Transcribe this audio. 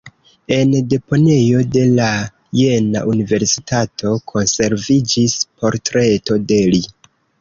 En deponejo de la Jena-universitato konserviĝis portreto de li.